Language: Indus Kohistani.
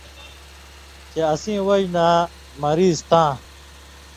چے اسیں وجہۡ نہ مریض تاں